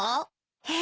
え！